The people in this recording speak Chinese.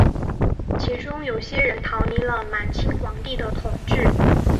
其中有些人逃离了满清皇帝的统治。